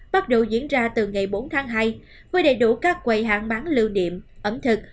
bắt đầu diễn ra từ ngày bốn tháng hai với đầy đủ các quầy hạng bán lưu niệm ẩm thực